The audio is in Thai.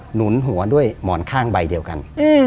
หนุนหัวด้วยหมอนข้างใบเดียวกัน